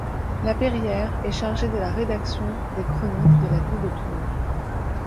La Perrière est chargé de la rédaction des chroniques de la ville de Toulouse.